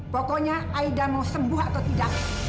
pokoknya aida mau sembuh atau tidak